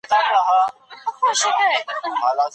لوستې مور د ماشومانو د ؛خوب ارام چاپېريال برابروي.